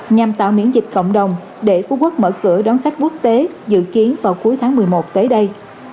nhằm tạo miễn dịch cộng đồng để phú quốc mở cửa đón khách quốc tế dự kiến vào cuối tháng một mươi một tới đây